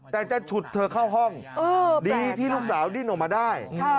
แต่จะฉุดเธอเข้าห้องดีที่ลูกสาวดิ้นออกมาได้